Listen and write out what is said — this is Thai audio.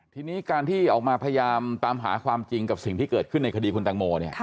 ทีนี้การที่ออกมาพยายามตามหาความจริงกับสิ่งที่เกิดขึ้นในคดีคุณตังโม